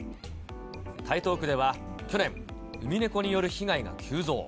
台東区では去年、ウミネコによる被害が急増。